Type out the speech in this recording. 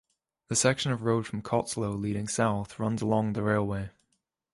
The section of road from Cottesloe leading south runs alongside the railway.